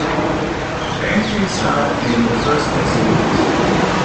The paintings are in the first exhibit.